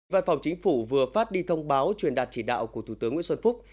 văn phòng chính phủ vừa phát đi thông báo truyền đạt chỉ đạo của thủ tướng nguyễn xuân phúc